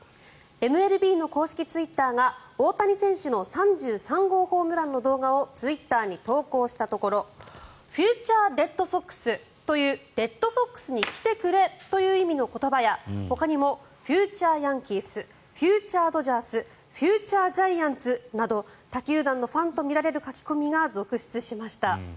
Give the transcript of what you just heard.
ＭＬＢの公式ツイッターが大谷選手の３３号ホームランの動画をツイッターに投稿したところフューチャー・レッドソックスというレッドソックスに来てくれという意味の言葉やほかにもフューチャー・ヤンキースフューチャー・ドジャースフューチャー・ジャイアンツなど他球団のファンとみられる書き込みが続出しました。